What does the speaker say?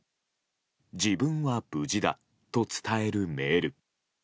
自分は無事だと伝えるメール。